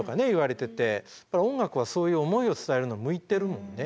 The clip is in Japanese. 音楽はそういう思いを伝えるの向いてるもんね。